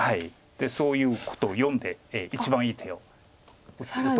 でそういうことを読んで一番いい手を打とうと。